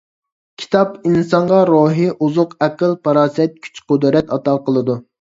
كىتاب ئىنسانغا روھىي ئوزۇق، ئەقىل-پاراسەت، كۈچ-قۇدرەت ئاتا قىلىدۇ.